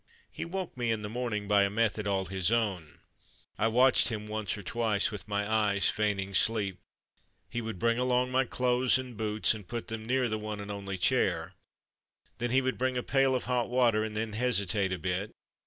He woke me in the mornings by a method all his own. (I watched him once or twice with eyes feigning sleep.) He would bring along my clothes and boots and put them near the one and only chair, then he would bring a pail of hot water and then hesitate a bit.